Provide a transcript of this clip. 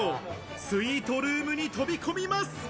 スイートルームに飛び込みます。